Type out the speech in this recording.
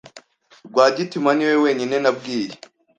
Rwagitima niwe wenyine nabwiye.